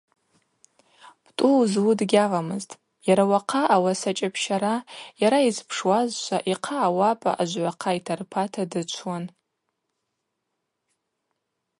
Птӏу уызлу дгьаламызтӏ, йара уахъа ауасачӏапщара йара йызпшуазшва йхъа ауапӏа ажвгӏвахъа йтарпата дычвуан.